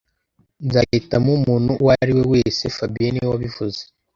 Nzahitamo umuntu uwo ari we wese fabien niwe wabivuze